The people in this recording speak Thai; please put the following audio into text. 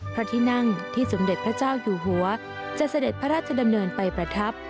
พระที่นั่งที่สมเด็จพระเจ้าอยู่หัวจะเสด็จพระราชดำเนินไปประทับ